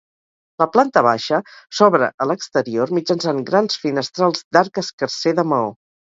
La planta baixa s'obre a l'exterior mitjançant grans finestrals d'arc escarser de maó.